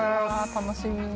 楽しみ